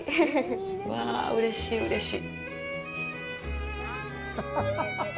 わあ、うれしい、うれしい。